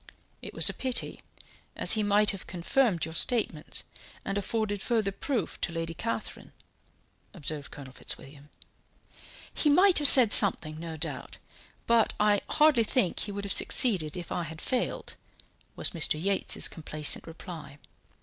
"It was a pity, as he might have confirmed your statements, and afforded further proof to Lady Catherine," observed Colonel Fitzwilliam. "He might have said something, no doubt, but I hardly think he would have succeeded if I had failed," was Mr. Yates's complacent reply.